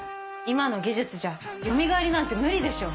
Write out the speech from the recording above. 今の技術じゃよみがえりなんて無理でしょ。